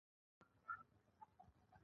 ایا ستاسو زغم ډیر دی؟